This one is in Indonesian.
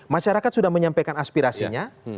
masyarakat sudah menyampaikan aspirasinya